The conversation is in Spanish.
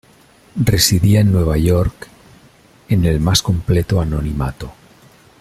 Residía en Nueva York en el más completo anonimato.